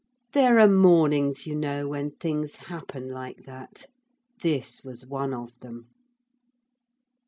There are mornings, you know, when things happen like that. This was one of them.